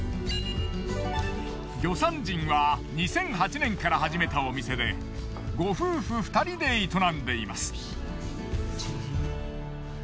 魚山人は２００８年から始めたお店でご夫婦２人で営んでいます。